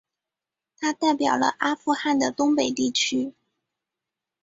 他代表了阿富汗的东北地区。